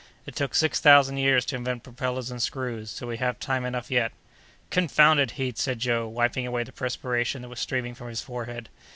It took six thousand years to invent propellers and screws; so we have time enough yet." "Confounded heat!" said Joe, wiping away the perspiration that was streaming from his forehead.